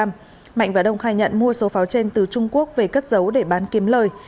mạnh và đông khai nhận mua số pháo trên từ trung quốc về cất giấu để bán kiếm lời